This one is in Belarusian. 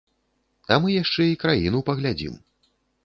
А мы яшчэ і краіну паглядзім!